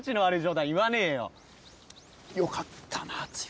よかったな剛。